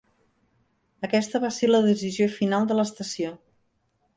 Aquesta va ser la decisió final de l'estació.